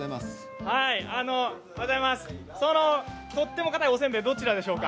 とてもかたいおせんべいはどちらでしょうか？